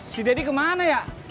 si deddy kemana ya